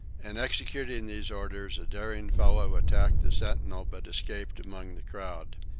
In executing these orders a daring fellow attacked the sentinel but escaped among the crowd.